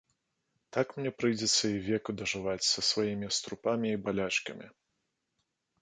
Так мне прыйдзецца і веку дажываць са сваімі струпамі і балячкамі.